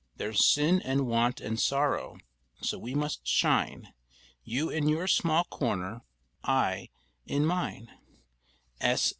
There's sin and want and sorrow, so we must shine, You in your small corner, I in mine."